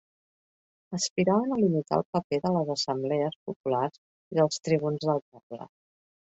Aspiraven a limitar el paper de les assemblees populars i dels tribuns del poble.